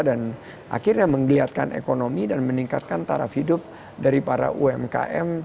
dan akhirnya menggeliatkan ekonomi dan meningkatkan taraf hidup dari para umkm